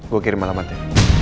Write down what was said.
gua kirim alamatnya